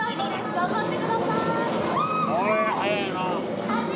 頑張ってください。